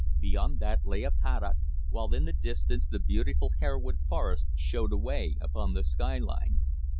Beyond that lay a paddock, while in the distance the beautiful Harewood Forest showed away upon the skyline.